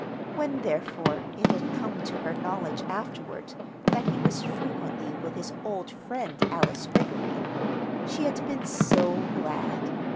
When, therefore, it had come to her knowledge afterward that he was frequently with his old friend, Alice Greggory, she had been so glad.